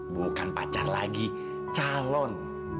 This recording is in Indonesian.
bukan pacar lagi calon